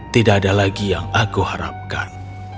tidak ada lagi yang aku harapkan